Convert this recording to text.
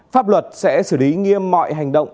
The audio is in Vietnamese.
pháp luật sẽ xử lý nghiêm mọi hành động